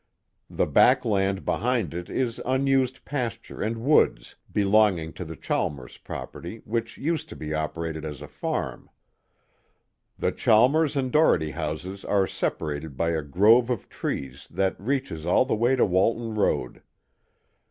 The back land behind it is unused pasture and woods belonging to the Chalmers property, which used to be operated as a farm. "The Chalmers and Doherty houses are separated by a grove of trees that reaches all the way to Walton Road.